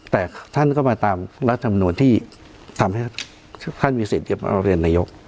แต่ท่านก็มาตามรัฐปราณวงศ์ที่ทำให้ท่านมีสิทธิ์ยิ่งอัฐเรียนนายก